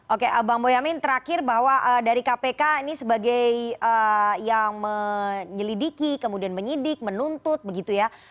oke bang boyamin terakhir bahwa dari kpk ini sebagai yang menyelidiki kemudian menyidik menuntut begitu ya